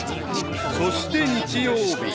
［そして日曜日］